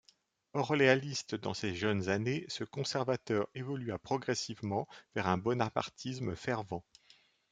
Orléaniste dans ses jeunes années, ce conservateur évolua progressivement vers un bonapartisme fervent.